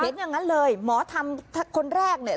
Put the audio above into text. อย่างนั้นเลยหมอทำคนแรกเนี่ย